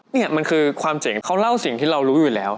นี่มันคือความเจ๋งเขาเล่าสิ่งที่เรารู้อยู่แล้ว